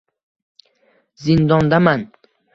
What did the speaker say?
Zindondaman